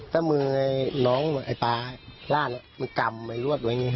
แล้วน้องปลาล่านกำรวดอย่างนี้